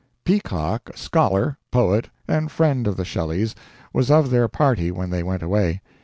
Peacock, a scholar, poet, and friend of the Shelleys, was of their party when they went away.